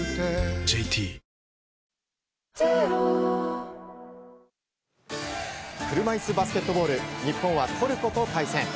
ＪＴ車いすバスケットボール日本はトルコと対戦。